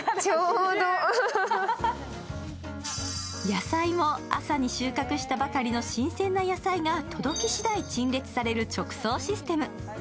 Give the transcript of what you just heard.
野菜も朝に収穫したばかりの新鮮な野菜が届きしだい陳列される直送システム。